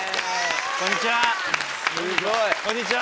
こんにちは！